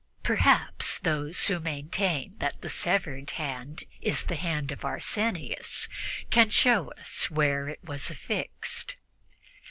Perhaps those who maintain that that severed hand is the hand of Arsenius can show us where it was affixed."